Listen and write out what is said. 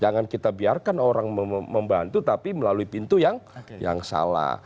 jangan kita biarkan orang membantu tapi melalui pintu yang salah